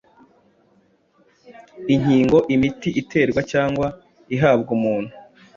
Inkingo: imiti iterwa cyangwa ihabwa umuntu